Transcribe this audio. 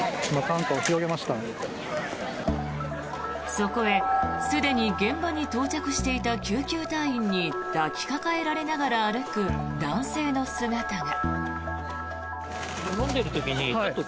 そこへ、すでに現場に到着していた救急隊員に抱きかかえられながら歩く男性の姿が。